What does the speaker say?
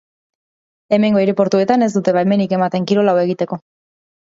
Hemengo aireportuetan ez dute baimenik ematen kirol hau egiteko.